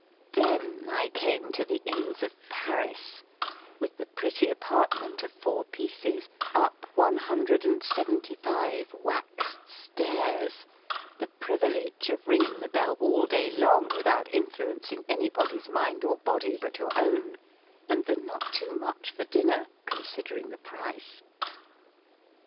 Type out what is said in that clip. Then I came to the Inns of Paris, with the pretty apartment of four pieces up one hundred and seventy five waxed stairs, the privilege of ringing the bell all day long without influencing anybody's mind or body but your own, and the not too much for dinner, considering the price.